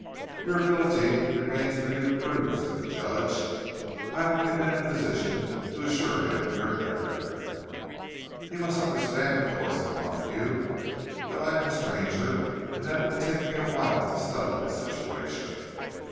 "Your ability remains for you to prove," said the Judge. "I have only been in position to assure him of your character." "He must understand, of course," said Montague, "that I am a stranger, and that it will take me a while to study the situation."